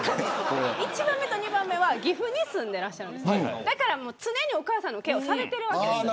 １番目と２番目は岐阜に住んでいらっしゃるんで常にお母さんのケアをされてるわけです。